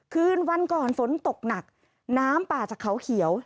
คืนวันก่อนฝนตกหนักน้ำป่าจากเขาเขียว